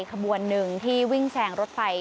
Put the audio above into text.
ขบวนหนึ่งที่วิ่งแซงรถไฟ